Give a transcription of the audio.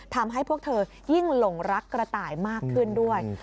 ทำให้พวกเธอยิ่งหลงรักกระต่ายมากขึ้นด้วย